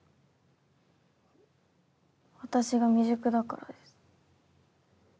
私が未熟だからです。